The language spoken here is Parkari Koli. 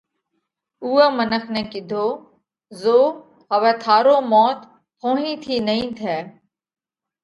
اُوئي منک نئہ ڪِيڌو: زو هوَئہ ٿارو موت ڦونهِي ٿِي نئين ٿئہ